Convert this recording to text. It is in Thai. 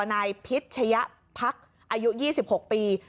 นายพิชยะพักอายุ๒๖ปี